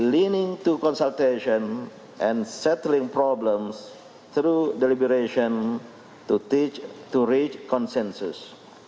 mencari konsultasi dan menyelesaikan masalah melalui pembebasan untuk mencapai konsensus